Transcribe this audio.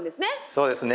そうですね